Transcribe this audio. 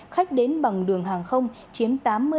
khách đến bằng đường hàng không chiếm tám mươi ba bảy